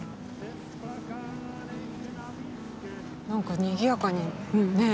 何か賑やかにねえ。